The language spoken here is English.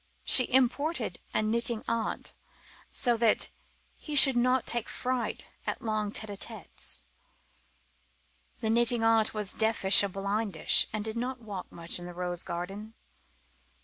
She imported a knitting aunt, so that he should not take fright at long tête à têtes. The knitting aunt was deafish and blindish, and did not walk much in the rose garden.